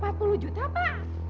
empat puluh juta pak